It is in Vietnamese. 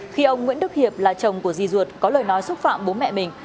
khi ông nguyễn đức hiệp là chồng của di ruột có lời nói xúc phạm bố mẹ mình